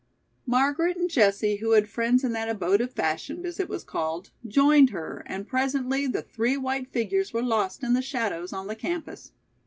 Margaret and Jessie, who had friends in that "abode of fashion," as it was called, joined her, and presently the three white figures were lost in the shadows on the campus.